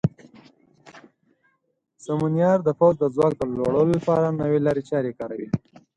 سمونیار د پوځ د ځواک د لوړولو لپاره نوې لارې چارې کاروي.